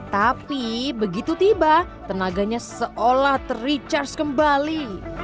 tapi begitu tiba tenaganya seolah ter recharge kembali